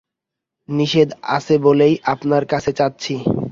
নিষেধ আছে বলেই আপনার কাছে চাচ্ছি।